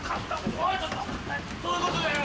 どういうことだよ！